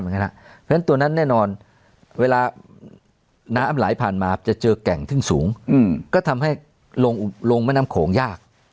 เพราะฉะนั้นตัวนั้นแน่นอนเวลาน้ำไหลผ่านมาจะเจอแก่งซึ่งสูงก็ทำให้ลงแม่น้ำโขงยาก